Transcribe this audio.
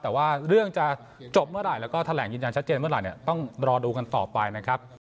แต่ว่าเรื่องจะจบเมื่อไหร่แล้วก็แถลงยืนยันชัดเจนเมื่อไหร่เนี่ยต้องรอดูกันต่อไปนะครับ